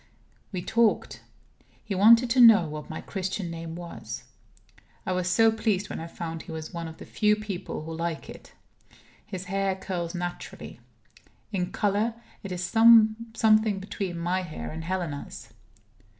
We talked. He wanted to know what my Christian name was. I was so pleased when I found he was one of the few people who like it. His hair curls naturally. In color, it is something between my hair and Helena's.